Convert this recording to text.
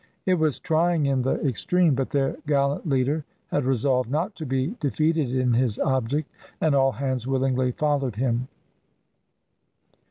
It was trying in the extreme, but their gallant leader had resolved not to be defeated in his object, and all hands willingly followed him.